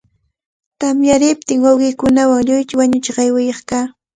Tamyariptin, wawqiikunawan lluychu wañuchiq aywaq kaa.